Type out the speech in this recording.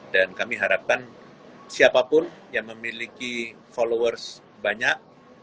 dan kami harapkan siapapun yang memiliki followers banyak